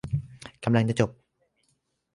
กำลังจะจบ